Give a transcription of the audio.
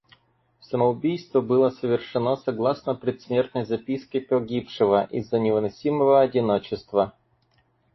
Самоубийство было совершено согласно предсмертной записке погибшего из-за невыносимого одиночества.